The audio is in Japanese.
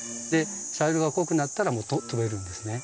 茶色が濃くなったらもう飛べるんですね。